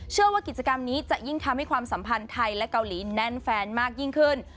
เชื่อว่ากิจกรรมนี้จะยิ่งทำให้ความสัมพันธ์ไทยและเกาหลีแน่นแฟนมากยิ่งขึ้น